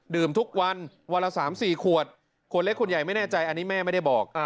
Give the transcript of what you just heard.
ทุกวันวันละ๓๔ขวดขวดเล็กขวดใหญ่ไม่แน่ใจอันนี้แม่ไม่ได้บอก